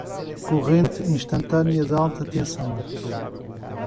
Corrente instantânea de alta tensão